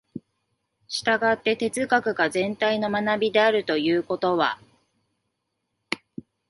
従って哲学が全体の学であるということは、